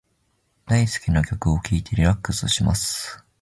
大好きな曲を聞いてリラックスします。